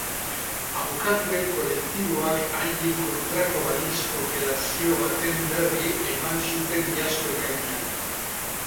Abokatuen kolektiboak haien kontrako balizko operazio baten berri eman zuten iazko ekainean.